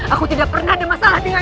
aku tidak pernah ada masalah dengan